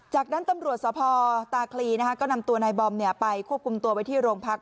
จากนั้นตำรวจสภตาคลีนะคะก็นำตัวในบอมเนี่ยไปควบคุมตัวไปที่โรงพัก